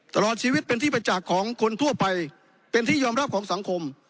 ตลอดชีวิตเป็นที่ประจักษ์ของคนทั่วไปเป็นที่ยอมรับของสังคม